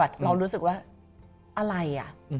เรารู้สึกว่าอะไร